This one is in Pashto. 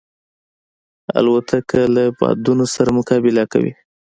الوتکه له بادونو سره مقابله کوي.